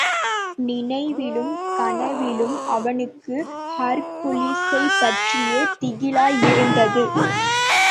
நினைவிலும் கனவிலும் அவனுக்கு ஹெர்க்குலிஸைப்பற்றியே திகிலாயிருந்தது.